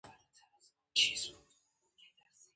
زموږ لمر د یو ټاکلي لور خوا ته په حرکت کې ده.